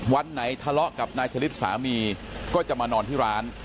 วันไหนทะเลาะกับนายชะลิดสามีก็จะมานอนที่ร้าน